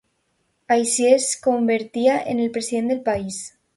Així es convertia en el president del país.